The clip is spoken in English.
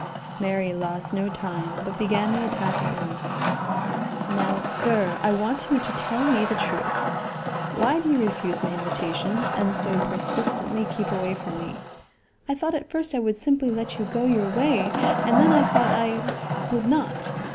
Mary lost no time, but began the attack at once. "Now, sir, I want you to tell me the truth; why do you refuse my invitations and so persistently keep away from me? I thought at first I would simply let you go your way, and then I thought I would not.